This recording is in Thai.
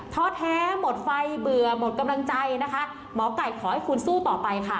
ท้อแท้หมดไฟเบื่อหมดกำลังใจนะคะหมอไก่ขอให้คุณสู้ต่อไปค่ะ